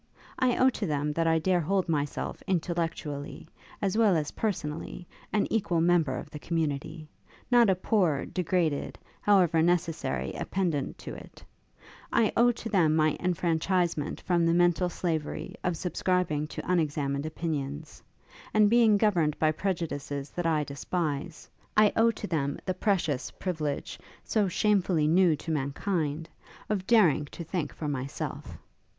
I owe to them that I dare hold myself intellectually, as well as personally, an equal member of the community; not a poor, degraded, however necessary appendent to it: I owe to them my enfranchisement from the mental slavery of subscribing to unexamined opinions, and being governed by prejudices that I despise: I owe to them the precious privilege, so shamefully new to mankind, of daring to think for myself.